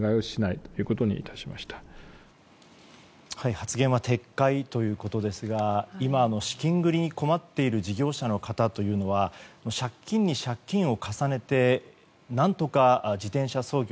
発言は撤回ということですが今の資金繰りに困っている事業者の方というのは借金に借金を重ねて何とか自転車操業。